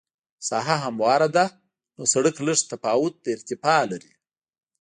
ساحه همواره ده نو سرک لږ تفاوت د ارتفاع لري